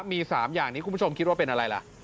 มี๓อย่างนี้คุณผู้ชมคิดว่าเป็นอะไรล่ะ